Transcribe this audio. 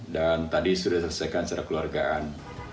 dan tadi sudah selesaikan secara keluargaan